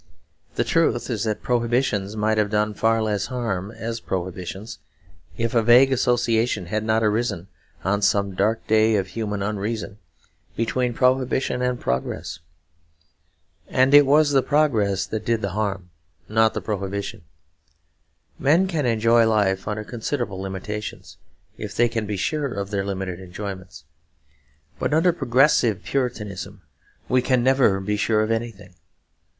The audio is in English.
The truth is that prohibitions might have done far less harm as prohibitions, if a vague association had not arisen, on some dark day of human unreason, between prohibition and progress. And it was the progress that did the harm, not the prohibition. Men can enjoy life under considerable limitations, if they can be sure of their limited enjoyments; but under Progressive Puritanism we can never be sure of anything.